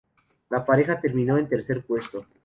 La pareja terminó en tercer puesto.